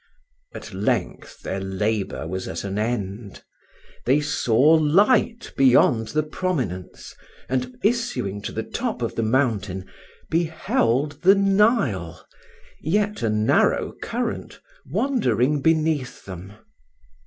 At length their labour was at an end. They saw light beyond the prominence, and, issuing to the top of the mountain, beheld the Nile, yet a narrow current, wandering beneath them.